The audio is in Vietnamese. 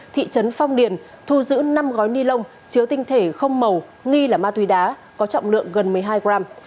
thị trấn phong điền thu giữ năm gói ni lông chứa tinh thể không màu nghi là ma túy đá có trọng lượng gần một mươi hai gram